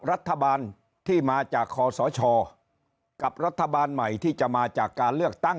รัฐบาลที่มาจากคอสชกับรัฐบาลใหม่ที่จะมาจากการเลือกตั้ง